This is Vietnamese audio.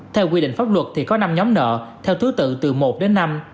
theo quy định pháp luật thì có năm nhóm nợ theo thứ tự từ một đến năm